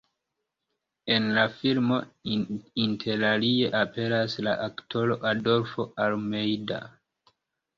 En la filmo interalie aperas la aktoro Adolfo Almeida.